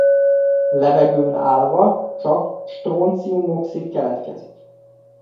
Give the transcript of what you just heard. Levegőn állva csak stroncium-oxid keletkezik.